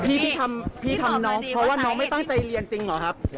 พี่พี่ทำน้องเพราะว่าน้องไม่ตั้งใจเรียนจริงเหรอครับ